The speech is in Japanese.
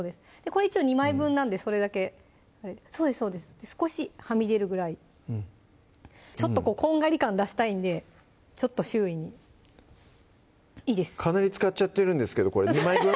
これ一応２枚分なんでそれだけそうですそうです少しはみ出るぐらいちょっとこんがり感出したいんでちょっと周囲にいいですかなり使っちゃってるんですけどこれ２枚分？